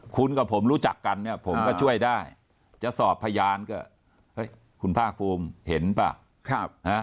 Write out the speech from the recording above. คุณกับผมรู้จักกันเนี่ยผมก็ช่วยได้จะสอบพยานก็เฮ้ยคุณภาคภูมิเห็นป่ะ